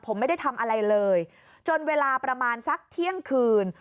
ผมไม่ได้ทำอะไรเลยจนเวลาประมาณสักเที่ยงคืน